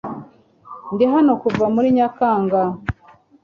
Ndi hano kuva muri Nyakanga .